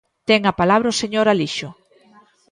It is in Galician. Ten a palabra o señor Alixo.